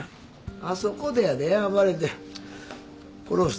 あそこでやで暴れて殺した後や。